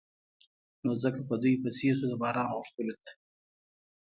نو ځکه په دوی پسې شو د باران غوښتلو ته.